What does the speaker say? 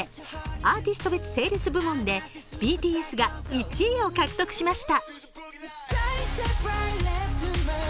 アーティスト別セールス部門でＢＴＳが１位を獲得しました。